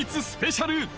スペシャル。